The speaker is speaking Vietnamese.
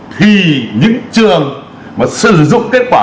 thì những trường mà sử dụng kết quả